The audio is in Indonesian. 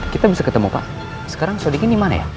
kita bisa ketemu pak sekarang sodikin dimana ya